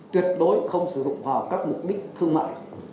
tuyệt đối không sử dụng vào các mục đích thương mại